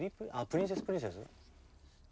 プリンセスプリンセス？